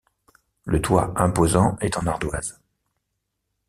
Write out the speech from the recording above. Le toit imposant est en ardoise.